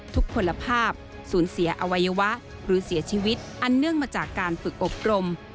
ผลภาพสูญเสียอวัยวะหรือเสียชีวิตอันเนื่องมาจากการฝึกอบรม